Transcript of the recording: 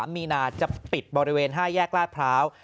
มีนาจะปิดบริเวณ๕แยกลาดพร้าว